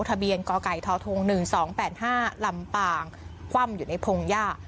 ทะเบียนกไกททหนึ่งสองแปดห้าลำปางคว่ำอยู่ในพงหญ้า